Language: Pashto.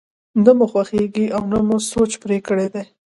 نه مو خوښېږي او نه مو سوچ پرې کړی دی.